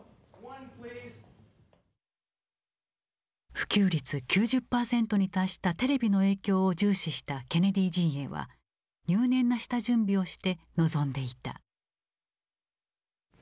普及率９０％に達したテレビの影響を重視したケネディ陣営は入念な下準備をして臨んでいた。